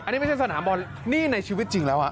อันนี้ไม่ใช่สนามบอลนี่ในชีวิตจริงแล้ว